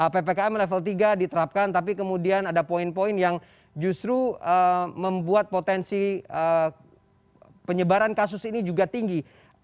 ppkm level tiga diterapkan tapi kemudian ada poin poin yang justru membuat potensi penyebaran kasus ini juga tinggi